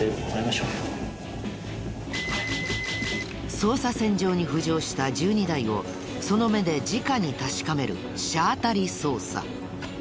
捜査線上に浮上した１２台をその目でじかに確かめる車当たり捜査。